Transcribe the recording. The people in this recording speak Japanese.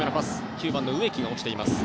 ９番の植木が落ちています。